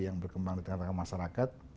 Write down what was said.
yang berkembang di tengah tengah masyarakat